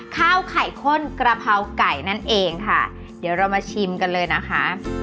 ข้าวไข่ข้นกระเพราไก่นั่นเองค่ะเดี๋ยวเรามาชิมกันเลยนะคะ